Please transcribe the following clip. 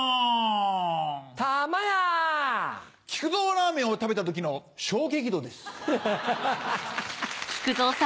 ラーメンを食べた時の衝撃度です。